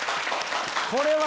これは。